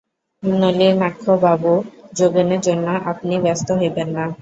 নলিনাক্ষবাবু, যোগেনের জন্য আপনি ব্যস্ত হইবেন না।